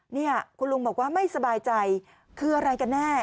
นี่คุณลุงบอกว่าไม่สบายใจคืออะไรกันแน่